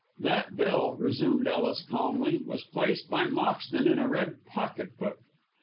"That bill," resumed Ellis, calmly, "was placed by Moxton in a red pocket book."